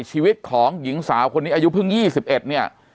ชีวิตของหญิงสาวคนนี้อายุเพิ่ง๒๑เนี่ย